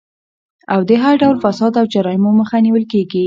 او د هر ډول فساد او جرايمو مخه نيول کيږي